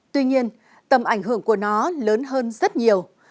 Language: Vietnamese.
tuy nhiên tầm ảnh hưởng của nó lớn hơn rất nhiều